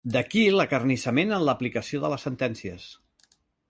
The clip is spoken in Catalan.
D'aquí l'acarnissament en l'aplicació de les sentències.